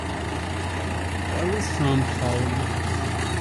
Why was Tom plowing?